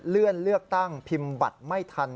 เลื่อนเลือกตั้งพิมพ์บัตรไม่ทัน